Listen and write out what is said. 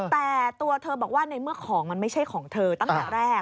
แต่ตัวเธอบอกว่าในเมื่อของมันไม่ใช่ของเธอตั้งแต่แรก